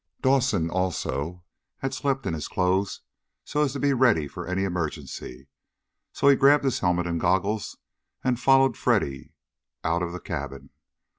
Dawson, also, had slept in his clothes so as to be ready for any emergency. So he grabbed his helmet and goggles and followed Freddy out of the cabin.